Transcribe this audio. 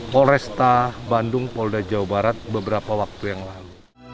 polresta bandung polda jawa barat beberapa waktu yang lalu